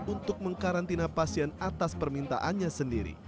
untuk mengkarantina pasien atas permintaannya sendiri